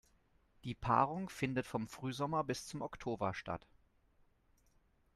Die Paarung findet vom Frühsommer bis zum Oktober statt.